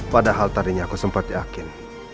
padahal tadinya aku sempat yakin